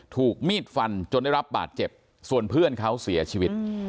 ถูกมีดฟันจนได้รับบาดเจ็บส่วนเพื่อนเขาเสียชีวิต